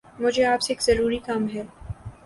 مجھے آپ سے ایک ضروری کام ہے